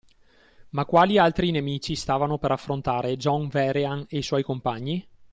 Ma quali altri nemici stavano per affrontare John Vehrehan e i suoi compagni?